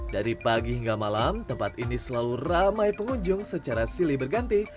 dari pagi hingga malam tempat ini selalu ramai pengunjung secara silih berganti